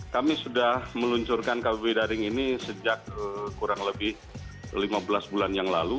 kami sudah meluncurkan kbb daring ini sejak kurang lebih lima belas bulan yang lalu